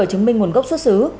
chứng minh nguồn gốc xuất xứ